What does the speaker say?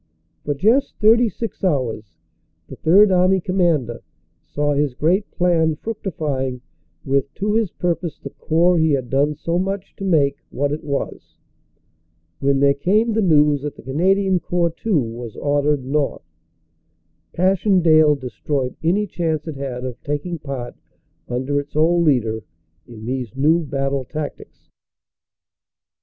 For just 36 hours the Third Army Commander saw his great plan fructifying, with to his purpose the Corps he had done so much to make what it was, when there came the news that the Canadian Corps too was ordered north. Passchendaele destroyed any chance it had of taking part under its old leader in these new battle tactics.